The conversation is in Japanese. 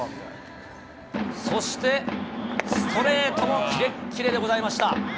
そして、ストレートもきれっきれでございました。